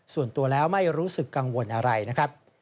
ส่วนตัวแล้วไม่รู้สึกกังวลอะไรนะครับ